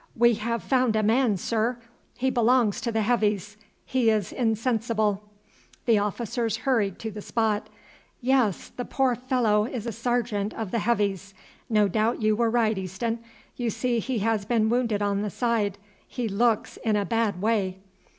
"We have found a man, sir; he belongs to the Heavies; he is insensible." The officers hurried to the spot. "Yes, the poor fellow is a sergeant of the Heavies. No doubt you were right, Easton. You see he has been wounded in the side. He looks in a bad way."